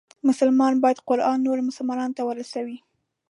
مسلمان باید قرآن نورو مسلمانانو ته ورسوي.